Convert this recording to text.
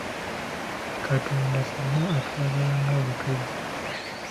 Katonda ffenna atwagala nga bwe tuli.